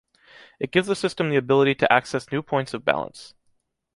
It gives the system the ability to access new points of balance.